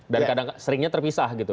dan kadang seringnya terpisah gitu